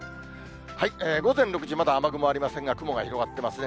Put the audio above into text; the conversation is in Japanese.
午前６時、まだ雨雲ありませんが、雲が広がってますね。